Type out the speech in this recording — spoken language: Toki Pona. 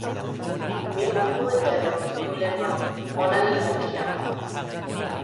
mi moku e telo pi kule ma. ona li jaki ala.